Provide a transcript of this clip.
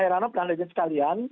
pak serano pelan pelan saja sekalian